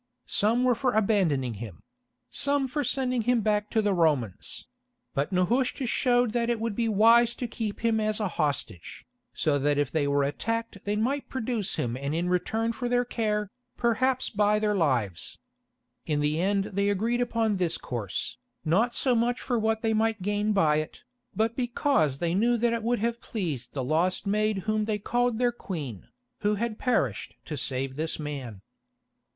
Some were for abandoning him; some for sending him back to the Romans; but Nehushta showed that it would be wise to keep him as a hostage, so that if they were attacked they might produce him and in return for their care, perhaps buy their lives. In the end they agreed upon this course, not so much for what they might gain by it, but because they knew that it would have pleased the lost maid whom they called their Queen, who had perished to save this man.